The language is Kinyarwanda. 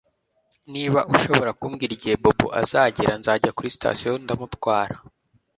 Niba ushobora kumbwira igihe Bobo azagera nzajya kuri sitasiyo ndamutwara